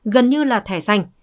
gần như là thẻ xanh